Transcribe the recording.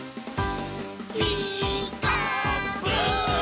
「ピーカーブ！」